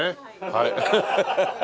はい。